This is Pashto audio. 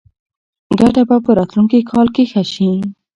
ګټه به په راتلونکي کال کې ښه شي.